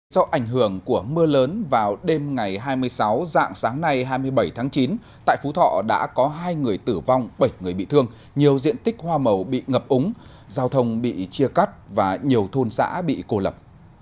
do ảnh hưởng của mưa lớn vào đêm ngày hai mươi sáu dạng sáng nay hai mươi bảy tháng chín tại phú thọ đã có hai người tử vong bảy người bị thương nhiều diện tích hoa màu bị ngập úng giao thông bị chia cắt và nhiều thôn xã bị cô lập